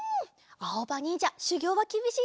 あおばにんじゃしゅぎょうはきびしいぞ。